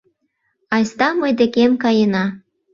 Айста мый декем каена.